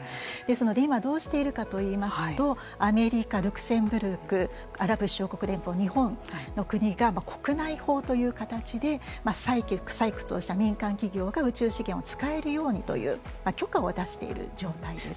今どうしているかといいますとアメリカ、ルクセンブルクアラブ首長国連邦、日本の国が国内法という形で採掘をした民間企業が宇宙資源を使えるようにという許可を出している状態です。